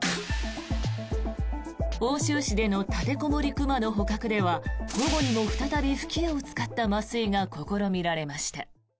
奥州市での立てこもり熊の捕獲では午後にも、再び吹き矢を使った麻酔が試みられました。